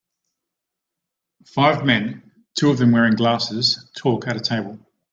Five men, two of them wearing glasses, talk at a table.